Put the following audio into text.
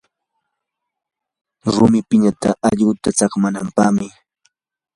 rumi piña allquta saqmanapaqmi.